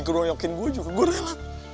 geroyokin gue juga gue rela